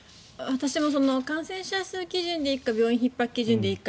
私も感染者数基準で行くか病院ひっ迫基準で行くか。